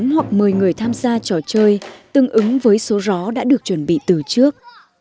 tám hoặc một mươi người tham gia trò chơi tương ứng với số rõ đã được chuẩn bị từ trước